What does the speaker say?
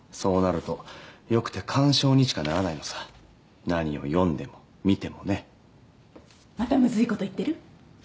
そうなるとよくて鑑賞にしかならない何を読んでも見てもねまたむずいこと言ってる？